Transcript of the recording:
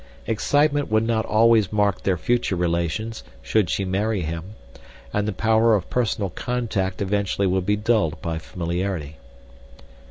Excitement would not always mark their future relations, should she marry him, and the power of personal contact eventually would be dulled by familiarity.